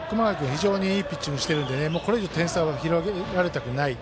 非常にいいピッチングしてるのでこれ以上点差を広げられたくない。